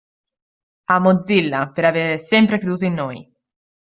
A Mozilla per aver sempre creduto in noi.